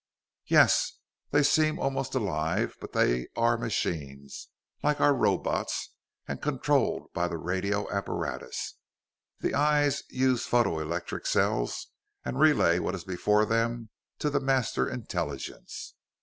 "Yes. They seem almost alive; but they are machines, like our robots, and controlled by the radio apparatus. The eyes use photo electric cells, and relay what is before them to the Master Intelligence."